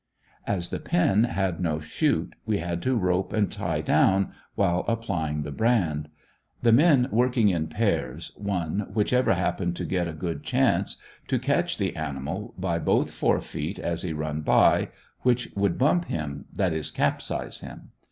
As the pen had no "chute" we had to rope and tie down, while applying the brand. The men working in pairs, one, which ever happened to get a good chance, to catch the animal by both fore feet as he run by which would "bump" him, that is, capsize him.